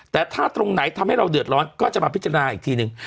แต่ถ้าตรงไหนทำให้เราเดือดร้อนก็จะมาพิจารณาอีกทีนึง